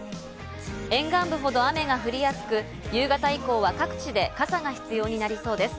沿岸部ほど雨が降りやすく、夕方以降は各地で傘が必要になりそうです。